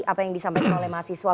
apa yang disampaikan oleh mahasiswa